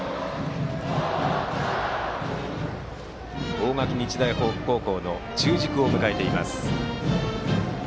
大垣日大高校の中軸を迎えています。